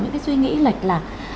những cái suy nghĩ lệch lạc